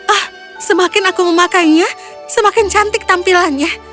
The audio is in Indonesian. ah semakin aku memakainya semakin cantik tampilannya